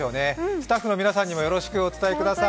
スタッフの皆さんにもよろしくお伝えください。